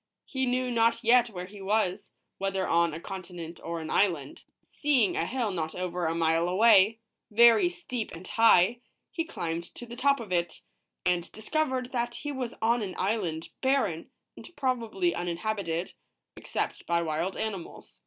He knew not yet where he was, whether on a continent or an island. Seeing a hill not over 137 ROBINSON CRUSOE. a mile away, very steep and high, he climbed to the top of it, and discovered that he was on an island, barren, and probably uninhabited, except by wild animals.